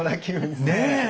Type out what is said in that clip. ねえ！